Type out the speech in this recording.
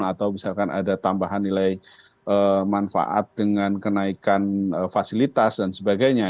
atau misalkan ada tambahan nilai manfaat dengan kenaikan fasilitas dan sebagainya